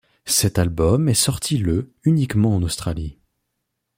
Cet album est sorti le uniquement en Australie.